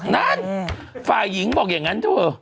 นั่นฝ่ายหญิงบอกอย่างนั้นเถอะ